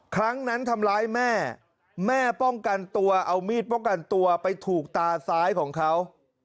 ครั้งนั้นทำร้ายแม่แม่ป้องกันตัวเอามีดป้องกันตัวไปถูกตาซ้ายของเขา